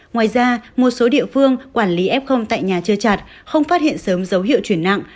ngoài ra một số địa phương quản lý f tại nhà chưa chặt không phát hiện sớm dấu hiệu chuyển nặng